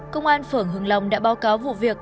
công an phường hưng long đã báo cáo vụ việc